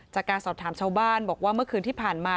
จากการสอบถามชาวบ้านบอกว่าเมื่อคืนที่ผ่านมา